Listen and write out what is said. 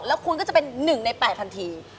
แล้วคุณก็จะเป็น๑ใน๘ทันที